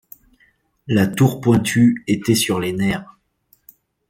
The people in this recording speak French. La Tour Pointue était sur les nerfs.